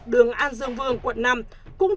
đường an dương vương quận năm